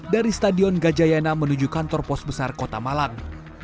dari stadion gajayana menuju kantor pos besar kota malang